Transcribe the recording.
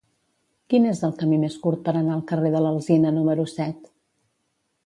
Quin és el camí més curt per anar al carrer de l'Alzina número set?